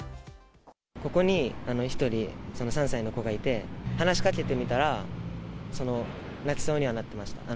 ここに１人、３歳の子がいて、話しかけてみたら、泣きそうにはなってました。